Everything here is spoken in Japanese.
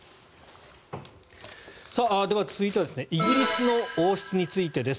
続いてはイギリスの王室についてです。